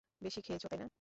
বেশি খেয়েছে, তাই না?